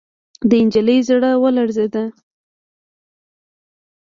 د نجلۍ زړه ولړزېد.